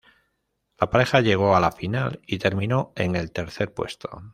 La pareja llegó a la final y terminó en el tercer puesto.